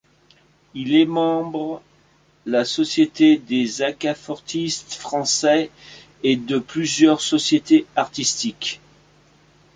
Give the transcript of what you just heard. Il est membre la société des aquafortistes français et de plusieurs sociétés artistiques.